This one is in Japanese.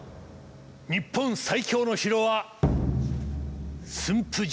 日本最強の城は駿府城。